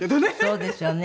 そうですよね。